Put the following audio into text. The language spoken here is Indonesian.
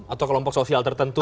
atau kelompok sosial tertentu